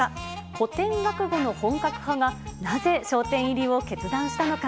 古典落語の本格派が、なぜ笑点入りを決断したのか。